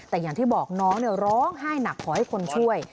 แต่อย่างที่บอกน้องร้องไห้หนักขอให้คนช่วย